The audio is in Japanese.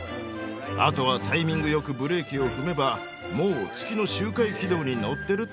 あとはタイミング良くブレーキを踏めばもう月の周回軌道に乗ってるってわけさ。